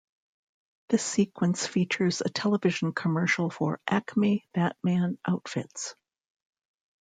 This sequence features a television commercial for Acme Batman Outfits!